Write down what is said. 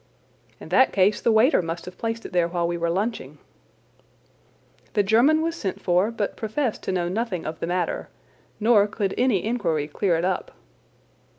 "In that case the waiter must have placed it there while we were lunching." The German was sent for but professed to know nothing of the matter, nor could any inquiry clear it up.